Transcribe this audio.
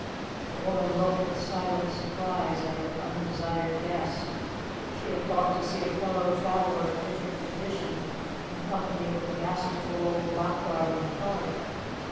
The woman looked with silent surprise at her undesired guest; she had thought to see a fellow traveller of different condition in company with the masterful old blackguard in the cart.